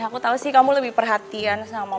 aku cuma pengen lihat perkembangannya doang